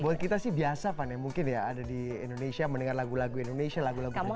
buat kita sih biasa fani mungkin ya ada di indonesia mendengar lagu lagu indonesia lagu lagu lagu